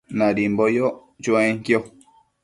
Nadimbo yoc chuenquio